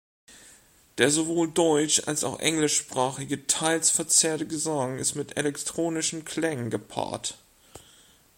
Der sowohl deutsch- als auch englischsprachige, teils verzerrte Gesang ist mit elektronischen Klängen gepaart.